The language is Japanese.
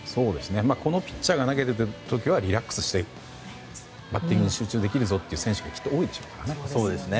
このピッチャーが投げている時はリラックスしてバッティングに集中できるぞという選手がきっと多いでしょうからね。